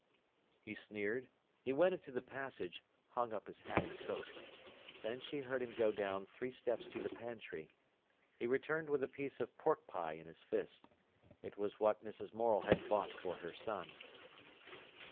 he sneered. He went into the passage, hung up his hat and coat. Then they heard him go down three steps to the pantry. He returned with a piece of pork pie in his fist. It was what Mrs. Morel had bought for her son.